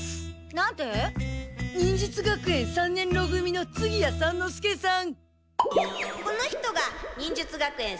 この人が忍術学園三年ろ組の次屋三之助先輩。